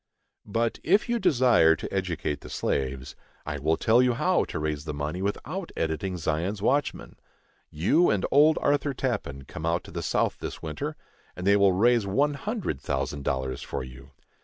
But, if you desire to educate the slaves, I will tell you how to raise the money without editing Zion's Watchman. You and old Arthur Tappan come out to the South this winter, and they will raise one hundred thousand dollars for you.